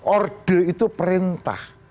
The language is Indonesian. orde itu perintah